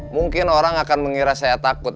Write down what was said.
mungkin orang akan mengira saya takut